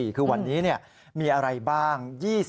คือวันนี้มีอะไรบ้าง